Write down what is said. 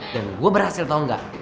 dan gue berhasil tau gak